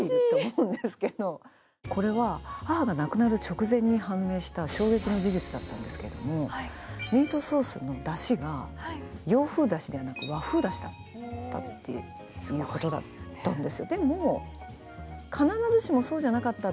これは母が亡くなる直前に判明した衝撃の事実なんですがミートソースのだしが洋風だしではなくて、和風だしだったということです。